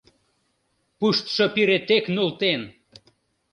Пуштшо пире тек нултен!»